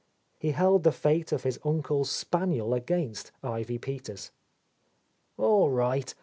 He held . the fate of his uncle's spaniel against Ivy Peters. "All right.